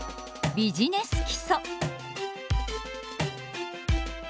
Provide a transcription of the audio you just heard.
ビジネス基礎。